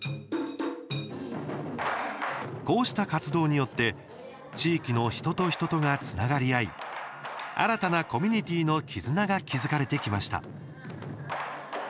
こうした活動によって地域の人と人とがつながり合い新たなコミュニティーの絆が築かれてきました。